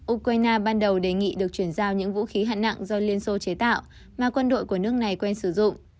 ukraine ban đầu đề nghị được chuyển giao những vũ khí hạng nặng do liên xô chế tạo mà quân đội của nước này quen sử dụng